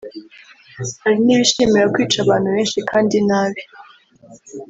hari n’ibishimira kwica abantu benshi kandi nabi